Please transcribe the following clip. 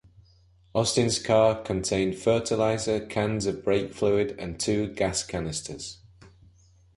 Austin's car contained fertilizer, cans of brake fluid, and two gas canisters.